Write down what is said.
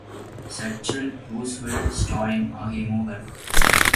சர்ச்சில், Roosevelt Stalin ஆகிய மூவர்.